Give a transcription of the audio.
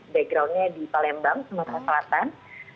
backgroundnya di palembang sumatera selatan